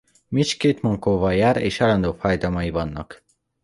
Mitch két mankóval jár és állandó fájdalmai vannak.